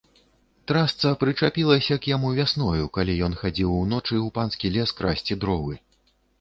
Трасца прычапілася к яму вясною, калі ён хадзіў уночы ў панскі лес красці дровы.